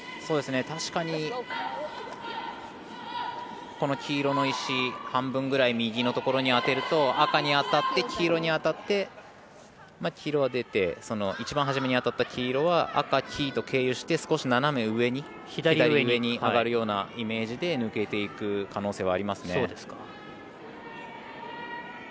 確かに、この黄色の石半分ぐらい右のところに当てると赤に当たって黄色に当たって黄色は出て、一番初めに当たった黄色は赤、黄と経由して少し左上に上がるようなイメージで抜けていく可能性はありますね。